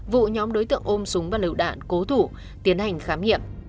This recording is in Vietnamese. vụ nhóm đối tượng ôm súng và lựu đạn cố thủ tiến hành khám nghiệm